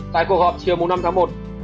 tại cuộc họp chiều năm tháng một